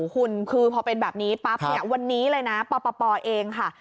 คุณคือพอเป็นแบบนี้ปั๊บเนี่ยวันนี้เลยนะปปเองค่ะ